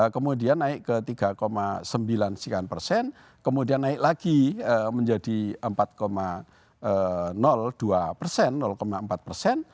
kemudian naik ke tiga sembilan sekian persen kemudian naik lagi menjadi empat dua persen empat persen